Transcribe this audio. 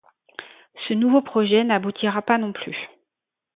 Ce nouveau projet n'aboutira pas non plus.